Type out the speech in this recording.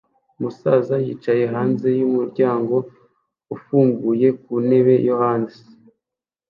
Umusaza yicaye hanze yumuryango ufunguye ku ntebe yo hasi